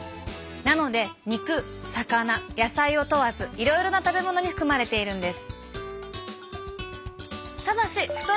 なので肉魚野菜を問わずいろいろな食べ物に含まれているんです。